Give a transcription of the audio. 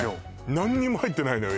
何にも入ってないのよ